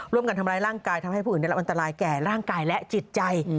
ร่วมกันทำร้ายร่างกายทำให้ผู้อื่นได้รับอันตรายแก่ร่างกายและจิตใจ